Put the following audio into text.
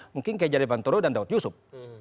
mungkin kayak jadid bantoro dan daud yusuf